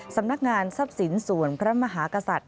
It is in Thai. สำนักงานทรัพย์สินส่วนพระมหากษัตริย์